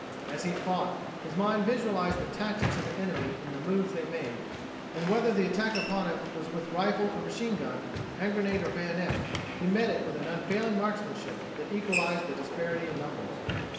As he fought, his mind visualized the tactics of the enemy in the moves they made, and whether the attack upon him was with rifle or machine gun, hand grenade or bayonet, he met it with an unfailing marksmanship that equalized the disparity in numbers.